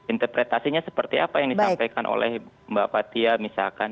interpretasinya seperti apa yang disampaikan oleh mbak fathia misalkan